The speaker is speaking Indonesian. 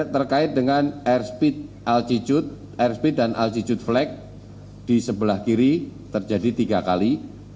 terkait dengan airspeed dan altitude flag di sebelah kiri terjadi tiga kali